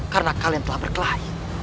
karena kalian telah berkelahi